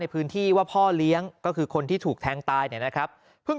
พื้นที่ว่าพ่อเลี้ยงก็คือคนที่ถูกแทงตายเนี่ยนะครับเพิ่ง